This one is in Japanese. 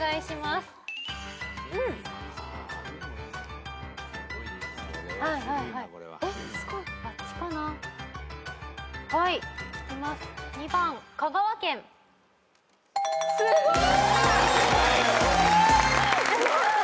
すごい！